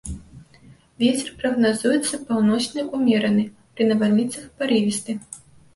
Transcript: Вецер прагназуецца паўночны ўмераны, пры навальніцах парывісты.